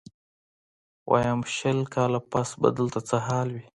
ويم شل کاله پس به دلته څه حال وي.